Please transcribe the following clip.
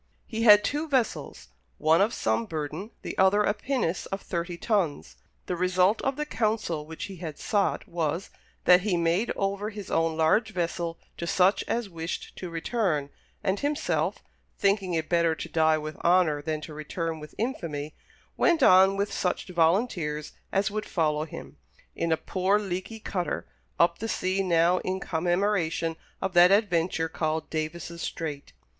He had two vessels one of some burden, the other a pinnace of thirty tons. The result of the counsel which he had sought was, that he made over his own large vessel to such as wished to return, and himself, "thinking it better to die with honour than to return with infamy," went on with such volunteers as would follow him, in a poor leaky cutter, up the sea now in commemoration of that adventure called Davis' Strait.